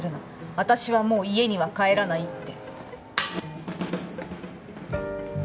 私はもう家には帰らないって。